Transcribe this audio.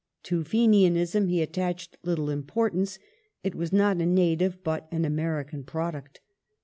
To Fenianism he attached little importance ; it was not a native but an American product.